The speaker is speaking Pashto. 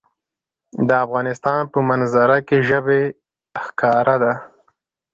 د افغانستان په منظره کې ژبې ښکاره ده.